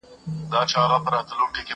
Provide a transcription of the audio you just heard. کږدۍ پر خپلو مراندو ولاړه ده.